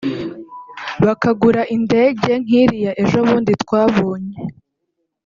bakagura indege nkiriya ejobundi twabonye